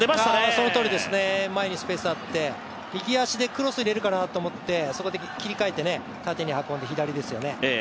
そのとおりですね、前にスペースあって右足でクロス入れるかなと思って、あそこで切り替えて縦に運んで左ですよね。